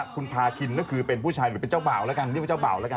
คุณพาคินก็คือเป็นผู้ชายหรือเป็นเจ้าบ่าว